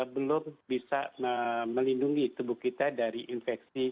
belum bisa melindungi tubuh kita dari infeksi